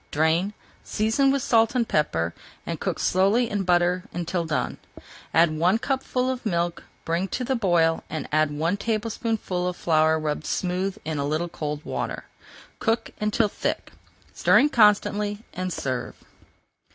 Drain, season with salt and pepper, and cook slowly in butter until done. Add one cupful of milk, bring to the boil, and add one tablespoonful of flour rubbed smooth in a little cold water. Cook until thick, stirring constantly, and serve.